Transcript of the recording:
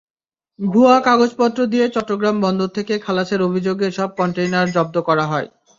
ভুয়া কাগজপত্র দিয়ে চট্টগ্রাম বন্দর থেকে খালাসের অভিযোগে এসব কনটেইনার জব্দ করা হয়।